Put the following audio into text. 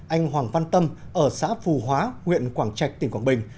anh hoàng văn tâm ở xã phù hóa huyện quảng trạch tỉnh quảng bình